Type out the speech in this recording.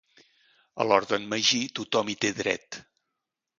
A l'hort d'en Magí tothom hi té dret.